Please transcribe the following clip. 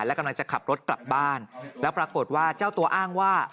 และกำลังจะขับรถกลับบ้านแล้วปรากฏว่าเจ้าตัวอ้างว่า